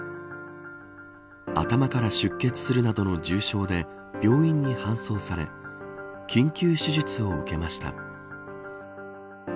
頭から出血するなどの重傷で病院に搬送され緊急手術を受けました。